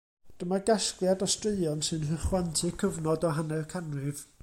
Dyma gasgliad o straeon sy'n rhychwantu cyfnod o hanner canrif.